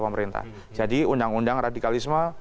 pemerintah jadi undang undang radikalisme